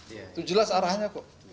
itu jelas arahnya kok